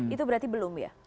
itu berarti belum ya